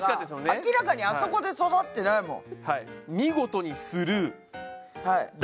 明らかにあそこで育ってないもん。